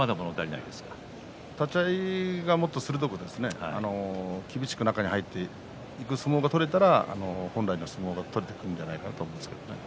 立ち合い、もっと鋭く厳しく中に入っていく相撲が取れたら本来の相撲が取れてくるんじゃないかなと思います。